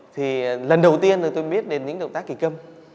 thì lần đầu tiên tôi biết đến những động tác kỳ công